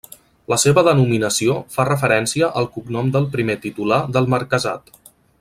La seva denominació fa referència al cognom del primer titular del marquesat.